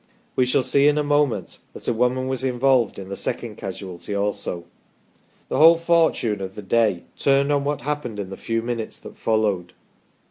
We shall see in a moment that a woman was involved in the second casualty also. The whole fortune of the day turned on what happened in the few minutes that followed.